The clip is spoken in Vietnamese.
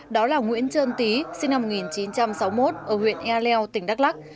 đó là nguyễn trơn tý sinh năm một nghìn chín trăm sáu mươi một ở huyện ea leo tỉnh đắk lắc